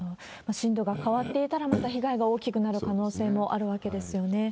震度が変わっていたら、また被害が大きくなる可能性もあるわけですよね。